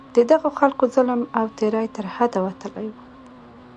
د دغو خلکو ظلم او تېری تر حده وتلی وو.